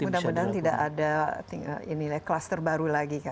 mudah mudahan tidak ada kluster baru lagi